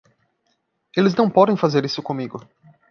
Eles não podem fazer isso comigo!